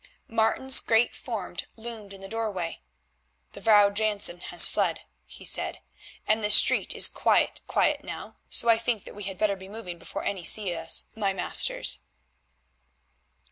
Martin's great form loomed in the doorway. "The Vrouw Jansen has fled away," he said, "and the street is quite quiet now, so I think that we had better be moving before any see us, my masters."